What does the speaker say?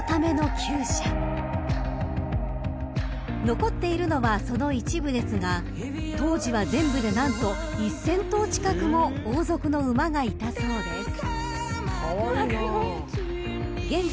［残っているのはその一部ですが当時は全部で何と１，０００頭近くも王族の馬がいたそうです］